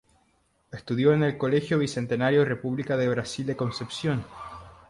Estudió en el Colegio Bicentenario República de Brasil de Concepción.